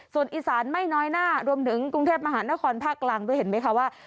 ส่วนอีสานไม่น้อยหน้ารวมถึงกรุงเทพมหานครภาคกลางด้วยเห็นไหมคะว่า